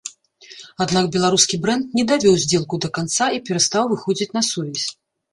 Аднак беларускі брэнд не давёў здзелку да канца, і перастаў выходзіць на сувязь.